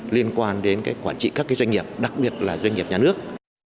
liên quan đến quản trị các doanh nghiệp đặc biệt là doanh nghiệp nhà nước